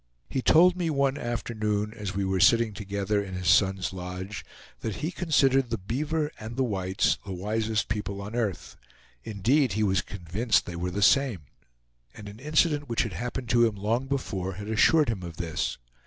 He told me one afternoon, as we were sitting together in his son's lodge, that he considered the beaver and the whites the wisest people on earth; indeed, he was convinced they were the same; and an incident which had happened to him long before had assured him of this.